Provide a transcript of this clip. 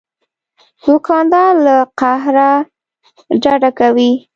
دوکاندار له قهره ډډه کوي.